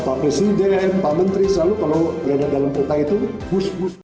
pak presiden pak menteri selalu kalau ada dalam kereta itu hush hush